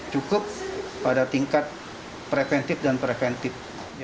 cukup pada tingkat preventif dan preventif